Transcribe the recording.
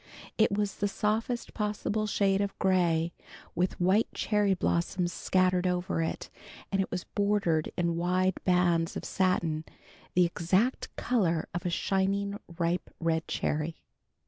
It was the softest possible shade of gray with white cherry blossoms scattered over it, and it was bordered in wide bands of satin the exact color of a shining ripe red cherry.